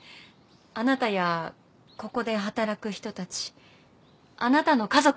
あなたやここで働く人たちあなたの家族も。